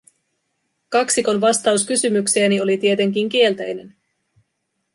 Kaksikon vastaus kysymykseeni oli tietenkin kielteinen;